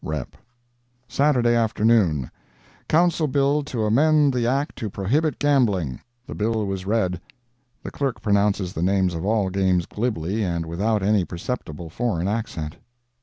—REP.] Saturday Afternoon Council bill to amend the Act to prohibit gambling. The bill was read. [The Clerk pronounces the names of all games glibly, and without any perceptible foreign accent.